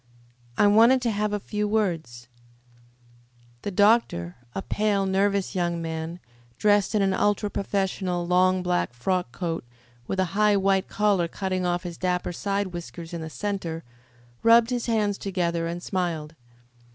"I wanted to have a few words." The doctor, a pale, nervous young man, dressed in an ultra professional, long black frock coat, with a high, white collar cutting off his dapper side whiskers in the centre, rubbed his hands together and smiled.